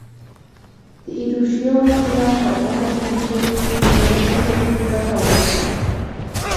د ایروشیا سیمه څرګنده کړي چې برېټانیا څنګه ګټه واخیسته.